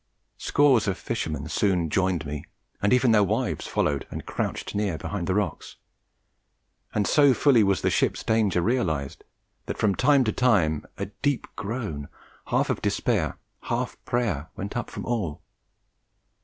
Scores of fishermen soon joined me, and even their wives followed and crouched near, behind the rocks; and so fully was the ship's danger realized, that from time to time a deep groan, half of despair, half prayer, went up from all.